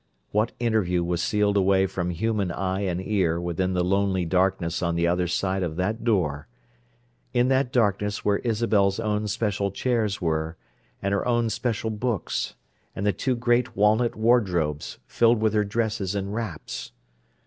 What interview was sealed away from human eye and ear within the lonely darkness on the other side of that door—in that darkness where Isabel's own special chairs were, and her own special books, and the two great walnut wardrobes filled with her dresses and wraps?